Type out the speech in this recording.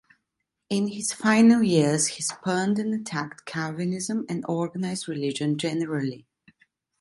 In his final years, he spurned and attacked Calvinism and organized religion generally.